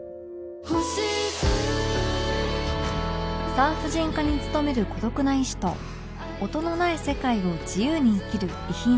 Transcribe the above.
産婦人科に勤める孤独な医師と音のない世界を自由に生きる遺品整理士